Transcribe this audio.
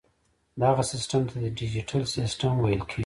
دغه سیسټم ته ډیجیټل سیسټم ویل کیږي.